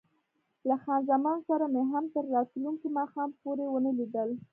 له خان زمان سره مې هم تر راتلونکي ماښام پورې ونه لیدل.